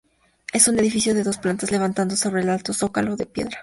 Es un edificio de dos plantas levantado sobre un alto zócalo de piedra.